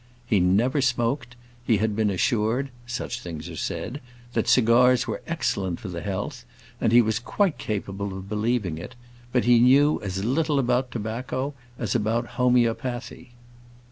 He never smoked. He had been assured—such things are said—that cigars were excellent for the health, and he was quite capable of believing it; but he knew as little about tobacco as about homœopathy.